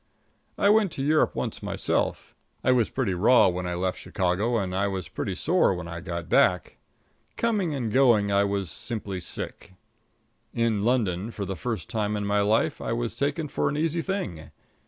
I went to Europe once myself. I was pretty raw when I left Chicago, and I was pretty sore when I got back. Coming and going I was simply sick. In London, for the first time in my life, I was taken for an easy thing.